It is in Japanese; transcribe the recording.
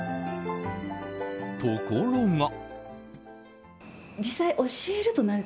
ところが。